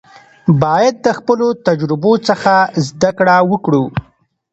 باید د خپلو تجربو څخه زده کړه وکړو.